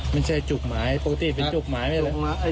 คือจุกไม้ปกติเป็นจุกไม้นี่แหละ